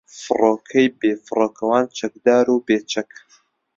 فۆرکەی بێفڕۆکەوانی چەکدار و بێچەک